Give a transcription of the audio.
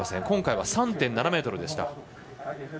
今回は３．７ｍでした。